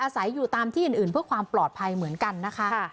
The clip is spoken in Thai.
อาศัยอยู่ตามที่อื่นเพื่อความปลอดภัยเหมือนกันนะคะ